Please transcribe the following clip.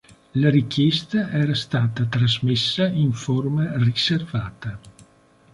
La richiesta era stata trasmessa in forma riservata.